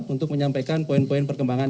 untuk menyampaikan poin poin perkembangan